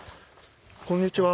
こんにちは。